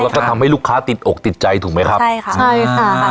แล้วก็ทำให้ลูกค้าติดอกติดใจถูกไหมครับใช่ค่ะใช่ค่ะ